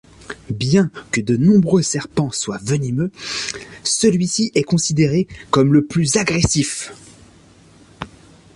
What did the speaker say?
Bien que de nombreux serpents soient venimeux, celui-ci est considéré comme le plus agressif.